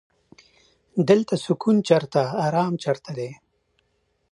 دلته سکون چرته ارام چرته دی.